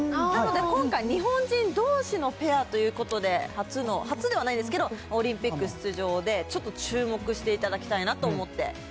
なので今回、日本人どうしのペアということで、初の、初ではないですけど、オリンピック出場で、ちょっと注目していただきたいなと思って。